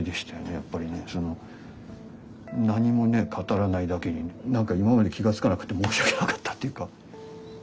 やっぱりねその何もね語らないだけに何か今まで気が付かなくて申し訳なかったっていうか。